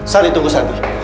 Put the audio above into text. sari tunggu santi